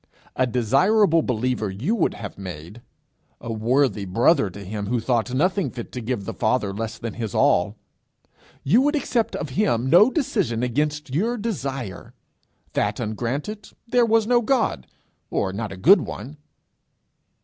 A desirable believer you would have made! A worthy brother to him who thought nothing fit to give the Father less than his all! You would accept of him no decision against your desire! That ungranted, there was no God, or not a good one!